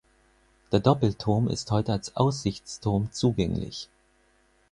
Der Doppelturm ist heute als Aussichtsturm zugänglich.